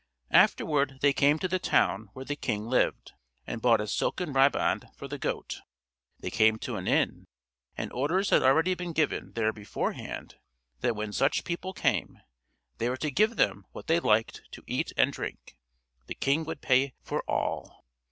Afterward they came to the town where the king lived, and bought a silken riband for the goat. They came to an inn, and orders had already been given there beforehand, that when such people came, they were to give them what they liked to eat and drink the king would pay for all.